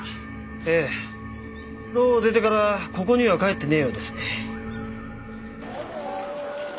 ええ牢を出てからここには帰ってねえようですね。